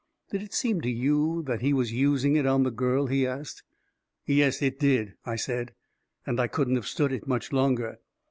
" Did it seem to you that he was using it on the girl ?" he asked. " Yes, it did," I said; " and I couldn't have stood it much longer."